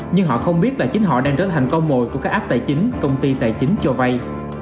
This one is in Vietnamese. nhưng họ không biết là chính họ đang trở thành con mồi của các ap tài chính công ty tài chính cho vay